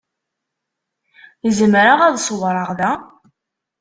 Zemreɣ ad ṣewwreɣ da?